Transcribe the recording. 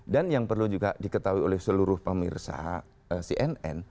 dan yang perlu juga diketahui oleh seluruh pemirsa cnn